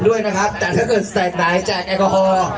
ด้วยนะครับแต่ถ้าเกิดแสกไหนแจกแอลกอฮอล์